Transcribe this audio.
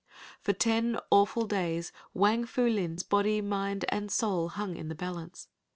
For ten awful days Wang Pu Lin's body, mind and soul hung in the balance.